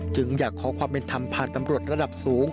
จึงอยากขอความเป็นธรรมผ่านตำรวจระดับสูง